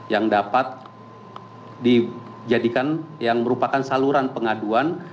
yang dapat dijadikan yang merupakan saluran pengaduan